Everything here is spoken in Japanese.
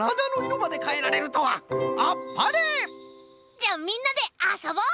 じゃあみんなであそぼう！